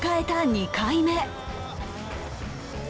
２回目